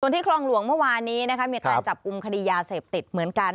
ที่คลองหลวงเมื่อวานนี้นะคะมีการจับกลุ่มคดียาเสพติดเหมือนกัน